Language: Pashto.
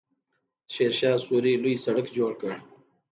شیرشاه سوري لوی سړک جوړ کړ.